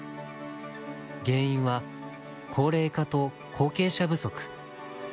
原因は高齢化と後継者不足。